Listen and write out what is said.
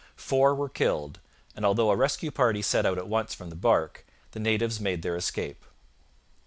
Four were killed, and although a rescue party set out at once from the barque, the natives made their escape.